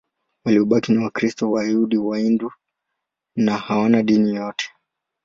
Waliobaki ni Wakristo, Wayahudi, Wahindu au hawana dini yote.